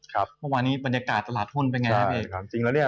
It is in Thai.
เมื่อวานพบกันที่มีบรางกายตลาดหุ้นเป็นอย่างยังไงครับเบบี๊